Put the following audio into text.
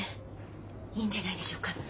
いいんじゃないでしょうか。